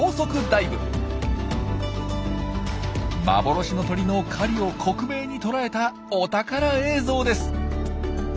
幻の鳥の狩りを克明に捉えたお宝映像です。